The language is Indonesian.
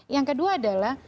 yang kedua adalah